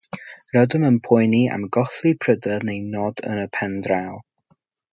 Rydym yn poeni am golli pryder neu nod yn y pen draw.